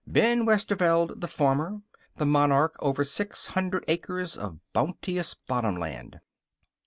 Ben Westerveld, the farmer, the monarch over six hundred acres of bounteous bottomland.